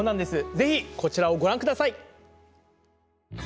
ぜひ、こちらをご覧ください！